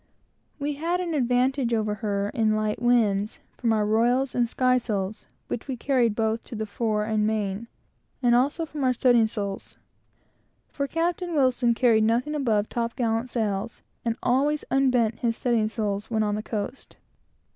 We had an advantage over her in light winds, from our royals and skysails which we carried both at the fore and main, and also in our studding sails; for Captain Wilson carried nothing above top gallant sails, and always unbent his studding sails when on the coast.